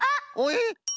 えっ？